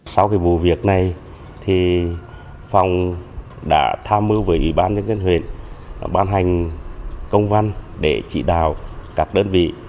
sau cái vụ việc này thì phòng đã tham mưu với bán nhân dân huyện bán hành công văn để trị đào các đơn vị